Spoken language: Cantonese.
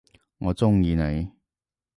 我中意你！